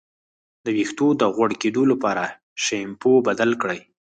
د ویښتو د غوړ کیدو لپاره شیمپو بدل کړئ